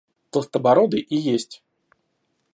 Толстобородый и есть.